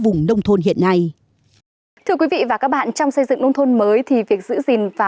vùng nông thôn hiện nay thưa quý vị và các bạn trong xây dựng nông thôn mới thì việc giữ gìn và